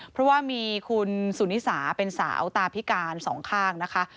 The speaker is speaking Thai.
เพราะว่ามีคุณสุนิสาเป็นสาวตาพิการสองข้างนะคะ